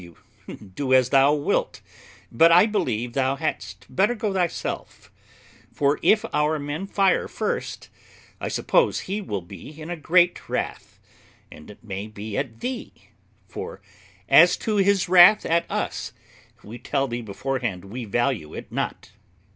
W. Do as thou wilt, but I believe thou hadst better go thyself; for if our men fire first, I suppose he will be in a great wrath, and it may be at thee; for, as to his wrath at us, we tell thee beforehand we value it not.